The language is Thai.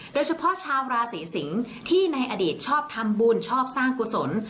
โดยเฉพาะชาวราศีสิงศ์ที่ในอดีตชอบทำบุญชอบสร้างกุศล